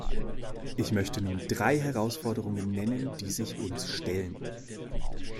Ich möchte nun drei Herausforderungen nennen, die sich uns stellen.